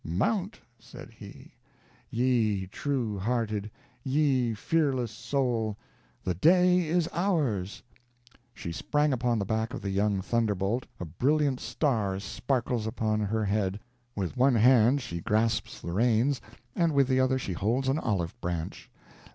"Mount," said he, "ye true hearted, ye fearless soul the day is ours." She sprang upon the back of the young thunderbolt, a brilliant star sparkles upon her head, with one hand she grasps the reins, and with the other she holds an olive branch.